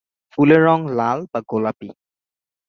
ফুলের রঙ লাল বা গোলাপি।